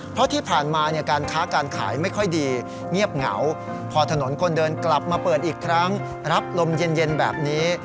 เพราะที่ผ่านมาเนี่ยการค้าการขายไม่ค่อยดีเงียบเหงาพอถนนคนเดินกลับมาเปิดอีกครั้งรับลมเย็นแบบนี้